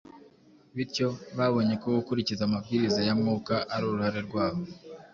Bityo, babonye ko gukurikiza amabwiriza ya Mwuka ari uruhare rwabo.